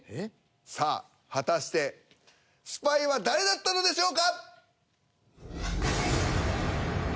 さあ果たしてスパイは誰だったのでしょうか！？